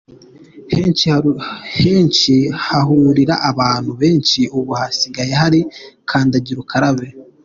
Henshi hahurira abantu benshi ubu hasigaye hari "kandagira ukarabe".